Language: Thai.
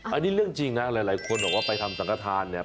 อันนี้เรื่องจริงนะหลายคนบอกว่าไปทำสังฆฐานเนี่ย